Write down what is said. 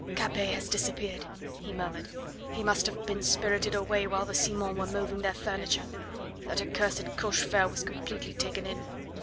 "Capet has disappeared," he murmured; "he must have been spirited away while the Simons were moving their furniture. That accursed Cochefer was completely taken in."